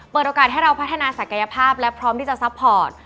เปิดโอกาสให้เราพัฒนาศักยภาพและพร้อมที่จะซัพพอร์ต